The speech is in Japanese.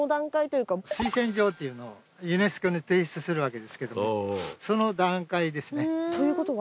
推薦状っていうのをユネスコに提出するわけですけどもその段階ですね。ということは？